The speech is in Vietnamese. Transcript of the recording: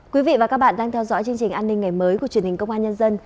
quý vị và các bạn đang theo dõi chương trình an ninh ngày mới của truyền hình công an nhân dân